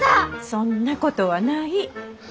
そんなことはない。